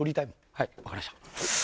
はいわかりました。